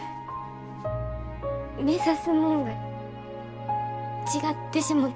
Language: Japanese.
目指すもんが違ってしもた。